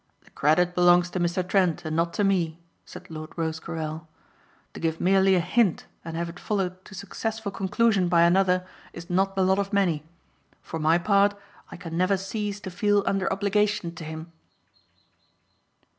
"The credit belongs to Mr. Trent and not to me," said Lord Rosecarrel. "To give merely a hint and have it followed to successful conclusion by another is not the lot of many. For my part I can never cease to feel under obligation to him."